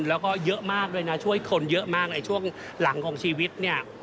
แล้วก็เยอะมากด้วยนะช่วยคนเยอะมากในช่วงหลังของชีวิตเนี่ย